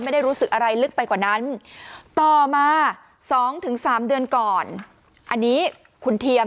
ไม่ได้รู้สึกอะไรลึกไปกว่านั้นต่อมา๒๓เดือนก่อนอันนี้คุณเทียม